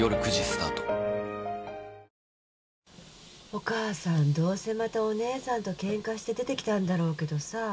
お母さんどうせまたお姉さんとケンカして出てきたんだろうけどさ